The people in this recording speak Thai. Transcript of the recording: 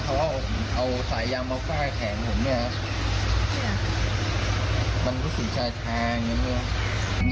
เขาเอาเอาสายยางมาฟ่าแขนผมเนี่ยมันรู้สึกชายชาอย่างเงี้ยเพราะว่า